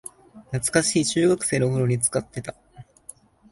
懐かしい、中学生の頃に使ってた